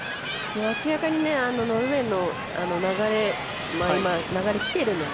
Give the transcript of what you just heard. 明らかに、ノルウェーの流れ、きているので。